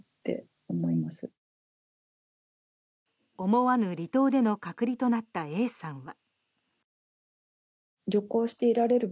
思わぬ離島での隔離となったＡさんは。